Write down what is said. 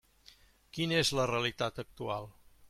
Quina és la realitat actual?